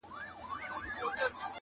o دعوه ګیر وي ور سره ډېري پیسې وي,